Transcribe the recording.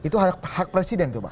itu hak presiden itu pak